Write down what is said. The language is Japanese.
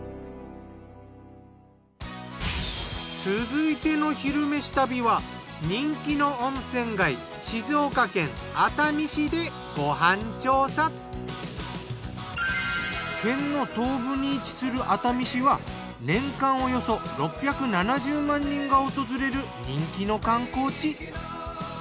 続いての「昼めし旅」は県の東部に位置する熱海市は年間およそ６７０万人が訪れる人気の観光地。